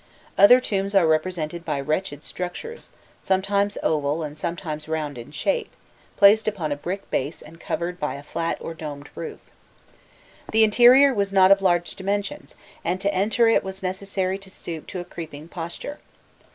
Other tombs are represented by wretched structures, sometimes oval and sometimes round in shape, placed upon a brick base and covered by a flat or domed roof. The interior was not of large dimensions, and to enter it was necessary to stoop to a creeping posture.